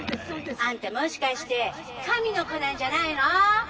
「あんたもしかして神の子なんじゃないの？」。